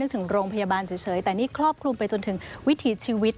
ถึงโรงพยาบาลเฉยแต่นี่ครอบคลุมไปจนถึงวิถีชีวิต